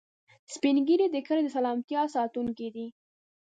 سپین ږیری د کلي د سلامتیا ساتونکي دي